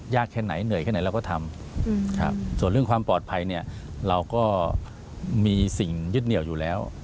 แค่ไหนเหนื่อยแค่ไหนเราก็ทำส่วนเรื่องความปลอดภัยเนี่ยเราก็มีสิ่งยึดเหนียวอยู่แล้ว